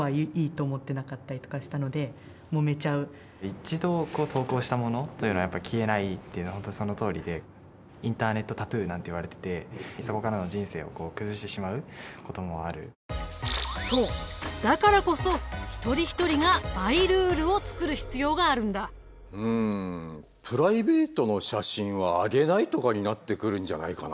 一度投稿したものというのはやっぱ消えないっていうのは本当そのとおりでインターネットタトゥーなんて言われててそこからのそうだからこそ一人一人がマイルールを作る必要があるんだ。とかになってくるんじゃないかな